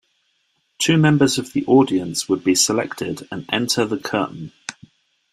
Two members of the audience would be selected and enter the curtain.